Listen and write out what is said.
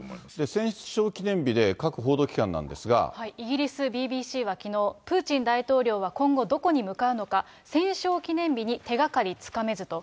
戦勝記念日で、イギリスＢＢＣはきのう、プーチン大統領は今後、どこに向かうのか、戦勝記念日に手がかりつかめずと。